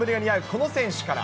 この選手から。